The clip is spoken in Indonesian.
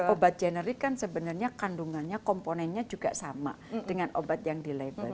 obat generik kan sebenarnya kandungannya komponennya juga sama dengan obat yang di label